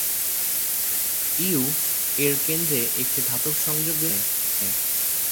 "You" এর কেন্দ্রে একটি ধাতব সংযোগ বিন্দু রয়েছে।